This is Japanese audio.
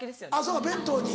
そうか弁当に。